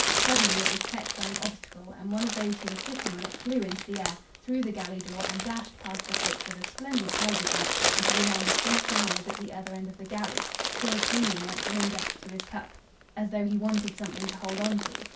Suddenly it was checked by an obstacle, and one of those who were sitting on it flew into the air, through the galley door, and dashed past the cook with a splendid tiger's leap, until he landed face downwards at the other end of the galley, still clinging like grim death to his cup, as though he wanted something to hold on to.